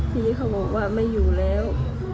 ทีนี้เขาบอกว่าไม่อยู่แล้ว